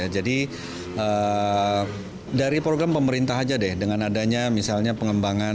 jadi dari program pemerintah saja dengan adanya misalnya pengembangan